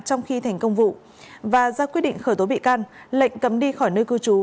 trong khi thành công vụ và ra quyết định khởi tố bị can lệnh cấm đi khỏi nơi cư trú